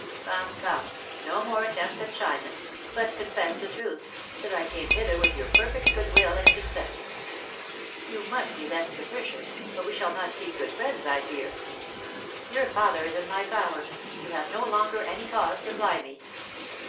Come, come, no more attempts at shyness, but confess the truth, that I came hither with your perfect good will and consent. You must be less capricious or we shall not keep good friends, I fear. Your father is in my power. You have no longer any cause to fly me.